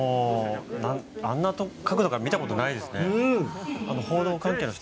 あんな角度から見たことがないですね。